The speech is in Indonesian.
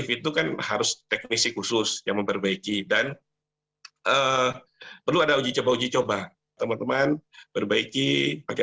itu kan harus teknisi khusus yang memperbaiki dan perlu ada uji coba uji coba teman teman perbaiki pakai